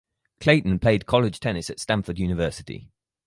Clayton played college tennis at Stanford University.